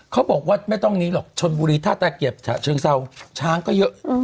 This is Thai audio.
เขาบอกว่าไม่ต้องนี้หรอกชนบุรีท่าตะเกียบฉะเชิงเซาช้างก็เยอะ